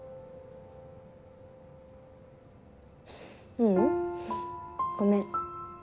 ううんごめん。